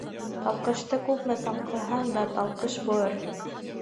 Талҡышты күпме талҡыһаң да, талҡыш булыр.